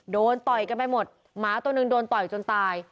ต่อยกันไปหมดหมาตัวหนึ่งโดนต่อยจนตาย